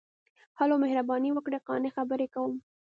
ـ هلو، مهرباني وکړئ، قانع خبرې کوم.